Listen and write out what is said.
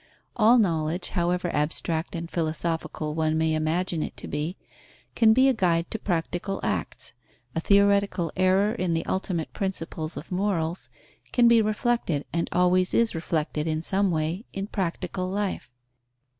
All knowledge, however abstract and philosophical one may imagine it to be, can be a guide to practical acts; a theoretical error in the ultimate principles of morals can be reflected and always is reflected in some way, in practical life.